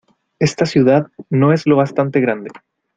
Esta ciudad no es lo bastante grande